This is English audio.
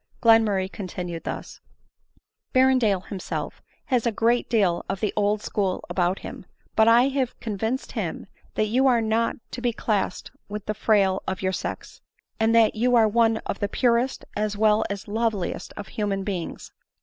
Glenmurray continued thus ;" Berrendale himself has a great deal of the old school about him, but I have con vinced him that you are not to be classed with the frail of your sex ; and that you are one of the purest as well as loveliest of human beings."